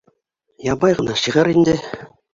Ябай ғына шиғыр инде.